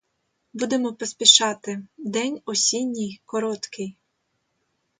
Будемо поспішати: день осінній короткий.